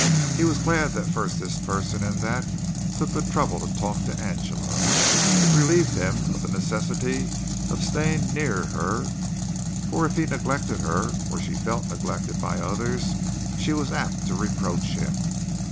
He was glad that first this person and that took the trouble to talk to Angela. It relieved him of the necessity of staying near her, for if he neglected her or she felt neglected by others she was apt to reproach him.